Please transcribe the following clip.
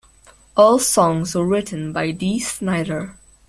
All songs are written by Dee Snider.